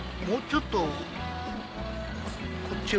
もうちょっと高い。